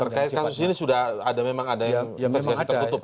terkait kan sudah ada memang ada yang terkait tertutup ya